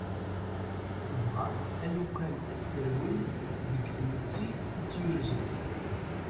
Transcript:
Tebɣa alukan ad terwel deg tmetti itt-yurzen.